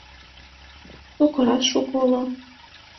Сокырат шуко уло.